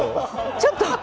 ちょっと。